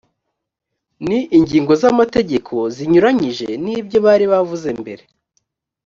ni ingingo z’amategeko zinyuranyije n’ibyo bari bavuze mbere